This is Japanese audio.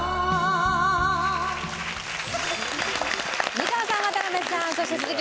美川さん渡辺さんそして鈴木亜美さん正解。